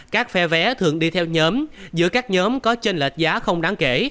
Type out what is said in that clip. các phe vé thường đi theo nhóm giữa các nhóm có trên lệch giá không đáng kể